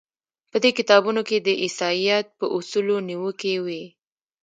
په دې کتابونو کې د عیسایت په اصولو نیوکې وې.